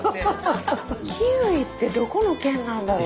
キウイってどこの県なんだろう？